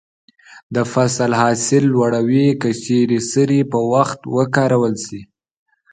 د فصل حاصل لوړوي که چیرې سرې په وخت وکارول شي.